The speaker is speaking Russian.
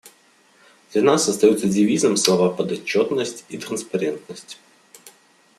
Для нас остаются девизом слова «подотчетность» и «транспарентность».